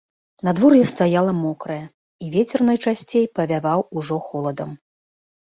Надвор'е стаяла мокрае, і вецер найчасцей павяваў ужо холадам.